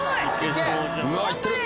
うわ行ってる。